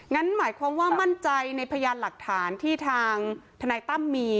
งั้นหมายความว่ามั่นใจในพยานหลักฐานที่ทางทนายตั้มมี